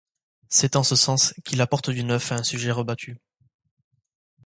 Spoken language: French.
C'est en ce sens qu'il apporte du neuf à un sujet rebattu.